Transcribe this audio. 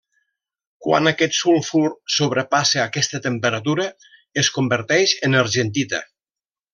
Quan aquest sulfur sobrepassa aquesta temperatura es converteix en argentita.